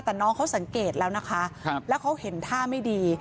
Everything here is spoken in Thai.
แต่น้องเขาสังเกตแล้วนะคะแล้วเขาเห็นท่าไม่ดี